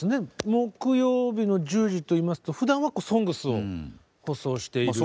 木曜日の１０時といいますとふだんは「ＳＯＮＧＳ」を放送している。